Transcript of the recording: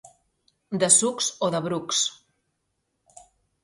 De sucs o de brucs.